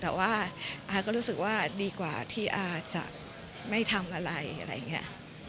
แต่ว่าอาก็รู้สึกว่าดีกว่าที่อาจะไม่ทำอะไรอะไรอย่างนี้